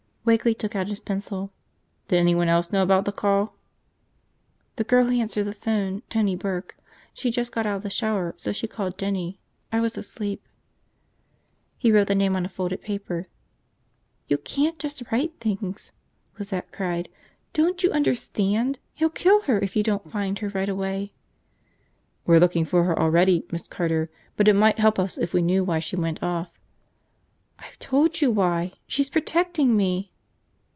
Wakeley took out his pencil. "Did anyone else know about the call?" "The girl who answered the phone. Tony Burke. She'd just got out of the shower so she called Jinny. I was asleep." He wrote the name on a folded paper. "You can't just write things!" Lizette cried. "Don't you understand, he'll kill her if you don't find her right away!" "We're looking for her already, Miss Carter. But it might help if we knew why she went off." "I've told you why! She's protecting me!"